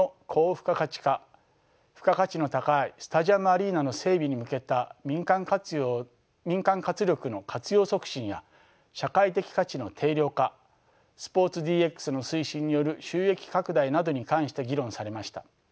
付加価値の高いスタジアム・アリーナの整備に向けた民間活力の活用促進や社会的価値の定量化スポーツＤＸの推進による収益拡大などに関して議論されました。